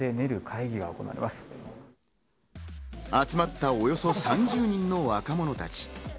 集まったおよそ３０人の若者たち。